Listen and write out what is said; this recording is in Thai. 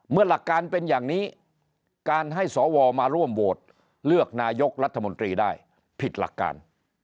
หลักการเป็นอย่างนี้การให้สวมาร่วมโหวตเลือกนายกรัฐมนตรีได้ผิดหลักการ